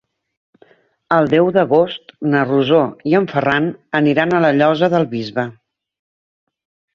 El deu d'agost na Rosó i en Ferran aniran a la Llosa del Bisbe.